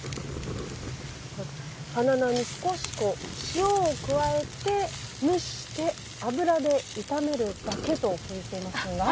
花菜に少し塩を加えて蒸して油で炒めるだけと聞いていますが。